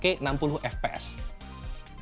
jadi ya ini memang